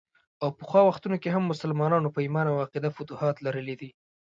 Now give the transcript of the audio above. او پخوا وختونو کې هم مسلمانانو په ايمان او عقیده فتوحات لرلي دي.